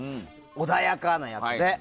穏やかなやつで。